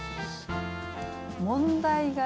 問題がね。